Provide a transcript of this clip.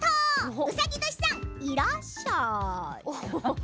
うさぎ年さん、いらっしゃい！